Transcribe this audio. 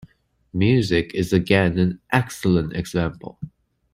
Music is again, an excellent example.